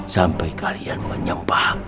sampai kalian menyembah